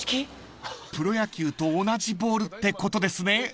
［プロ野球と同じボールってことですね］